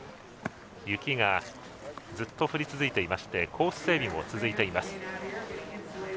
雪がずっと降り続いていましてコース整備も続いています。